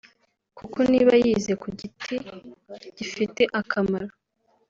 kuko niba yize ko igiti gifite akamaro